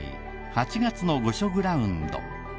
「八月の御所グラウンド」